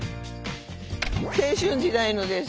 青春時代のです。